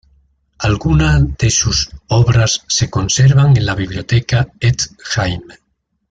Algunas de sus obras se conservan en la Biblioteca Etz-Haim.